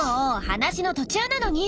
話の途中なのに。